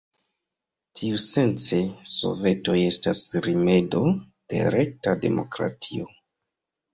Tiusence sovetoj estas rimedo de rekta demokratio.